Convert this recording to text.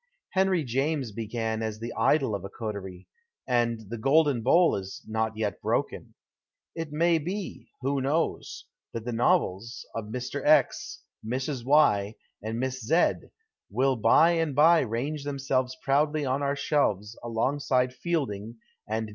Henry James began as the idol of a coterie, and " The Golden Bowl " is not yet broken. It may be who knows? that the novels of Mr. X., .Mrs. V., and Miss Z. will by and by range themselves pioiully «>n our selves alongside Fielding and